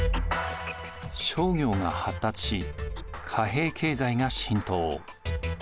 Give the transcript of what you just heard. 商業が発達し貨幣経済が浸透。